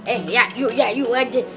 eh ya yuk ya yuk aja